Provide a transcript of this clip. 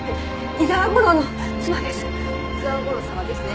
伊沢吾良様ですね。